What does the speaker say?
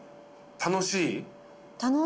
楽しい？